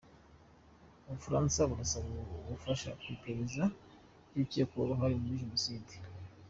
U Bufaransa burasaba ubufasha mu iperereza ry’ukekwaho uruhare muri Jenoside